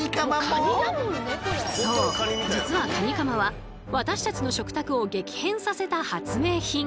そう実はカニカマは私たちの食卓を激変させた発明品！